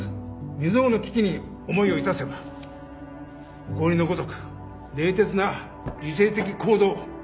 未曽有の危機に思いを致せば氷のごとく冷徹な理性的行動